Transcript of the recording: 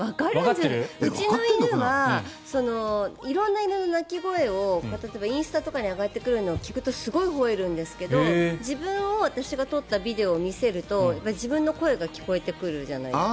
うちの犬は色んな犬の鳴き声を例えば、インスタとかに上がってくるのを聞くとすごいほえるんですけど自分を私が撮ったビデオを見せると自分の声が聞こえてくるじゃないですか。